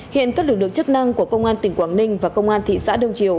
hiện các lực lượng chức năng của công an tỉnh quảng ninh và công an thị xã đông triều